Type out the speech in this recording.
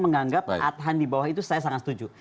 menganggap adhan di bawah itu saya sangat setuju